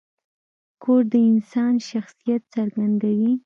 کور د انسان شخصیت څرګندوي.